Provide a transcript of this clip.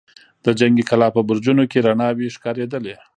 د جنګي کلا په برجونو کې رڼاوې ښکارېدلې.